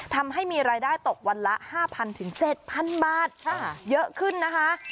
ทำให้มีรายได้ตกวันละ๕๐๐๗๐๐บาทเยอะขึ้นนะคะ